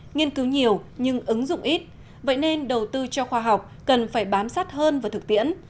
nghiên cứu nhiều nhưng ứng dụng ít vậy nên đầu tư cho khoa học cần phải bám sát hơn và thực tiễn